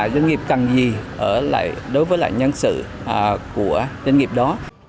doanh nghiệp cần gì đối với nhân sự của doanh nghiệp đó